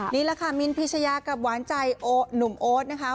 นี่แหละค่ะมินพิชยากับหวานใจหนุ่มโอ๊ตนะคะ